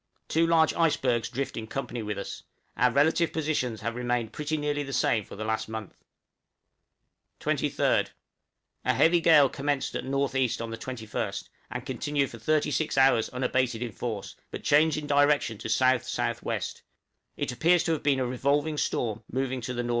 Two large icebergs drift in company with us; our relative positions have remained pretty nearly the same for the last month. 23rd. A heavy gale commenced at N.E. on the 21st, and continued for thirty six hours unabated in force, but changed in direction to S.S.W. It appears to have been a revolving storm, moving to the N.W.